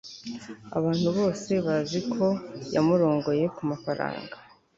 abantu bose bazi ko yamurongoye kumafaranga